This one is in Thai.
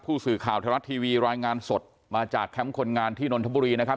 ผู้สื่อข่าวไทยรัฐทีวีรายงานสดมาจากแคมป์คนงานที่นนทบุรีนะครับ